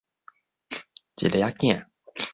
一下子囝